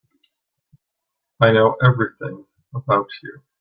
I know everything about you.